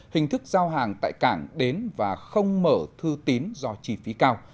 hình thức giao hàng tại cảng đến và không mở thư tín do chi phí cao